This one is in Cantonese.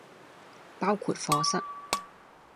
包括課室